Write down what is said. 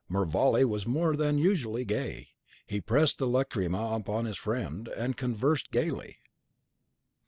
Mervale was more than usually gay; he pressed the lacrima upon his friend, and conversed gayly.